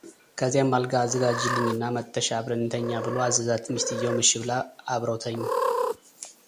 ከዚያም አልጋ አዘጋጂልኝና መጥተሸ አብረን እንተኛ ብሎ አዘዛት ሚስትየውም እሺ ብላ አብረው ተኙ፡፡